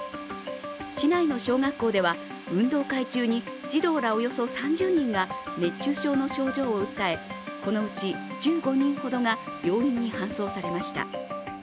市内の小学校では運動会中に児童らおよそ３０人が熱中症の症状を訴え、このうち１５人ほどが病院に搬送されました。